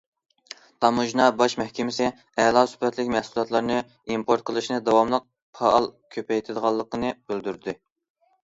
تاموژنا باش مەھكىمىسى ئەلا سۈپەتلىك مەھسۇلاتلارنى ئىمپورت قىلىشنى داۋاملىق پائال كۆپەيتىدىغانلىقىنى بىلدۈردى.